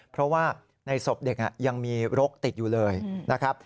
เพราะว่าในศพเด็กยังมีรกติดอยู่เลยนะครับ